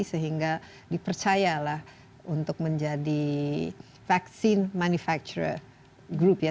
sehingga dipercayalah untuk menjadi vaccine manufacturer group ya